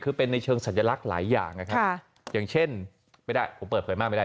คือเป็นในเชิงสัญลักษณ์หลายอย่างนะครับอย่างเช่นไม่ได้ผมเปิดเผยมากไม่ได้